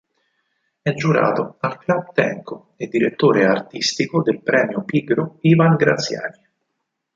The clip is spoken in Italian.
È giurato al Club Tenco e Direttore Artistico del "Premio Pigro" Ivan Graziani.